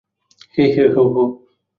হো, হো, হো!